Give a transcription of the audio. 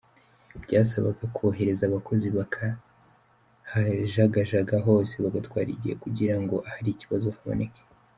Byasabaga kohereza abakozi bakahajagajaga hose bigatwara igihe kugira ngo ahari ikibazo haboneke.